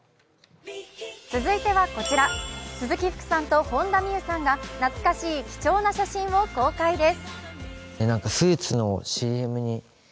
続いてはこちら、鈴木福さんと本田望結さんが懐かしい貴重な写真を公開です。